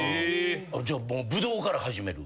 じゃあもうブドウから始める？